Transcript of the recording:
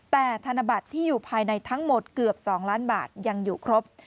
แต่ธนบัตรที่อยู่ภายในทั้งหมดเกือบ๒ล้านบาทยังอยู่ครบ